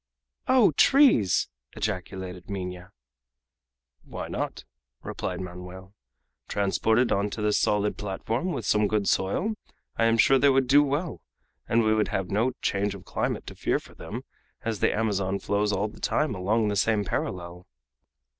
"Oh, trees!" ejaculated Minha. "Why not?" replied Manoel. "Transported on to this solid platform, with some good soil, I am sure they would do well, and we would have no change of climate to fear for them, as the Amazon flows all the time along the same parallel."